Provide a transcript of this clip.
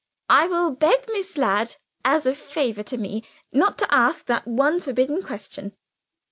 I will beg Miss Ladd, as a favor to me, not to ask you that one forbidden question."